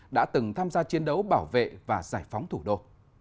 đã từng tham gia chiến đấu bảo vệ và giải phóng thủ đô